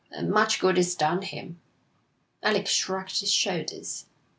And much good it's done him.' Alec shrugged his shoulders.